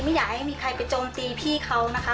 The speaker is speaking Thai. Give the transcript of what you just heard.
ไม่อยากให้มีใครไปโจมตีพี่เขานะคะ